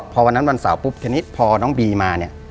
พอวันนั้นวันเสาร์ปุ๊บทีนี้พอน้องบีมาเนี่ย